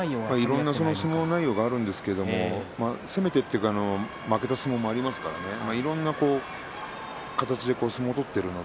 いろんな相撲内容があるんですが攻めて負けた相撲もありますのでいろんな形で相撲を取っています。